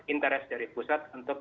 interes dari pusat untuk